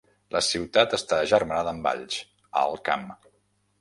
La ciutat està agermanada amb Valls, Alt Camp.